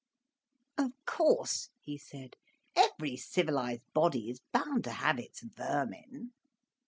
"Of course," he said, "every civilised body is bound to have its vermin."